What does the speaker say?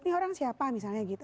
ini orang siapa misalnya gitu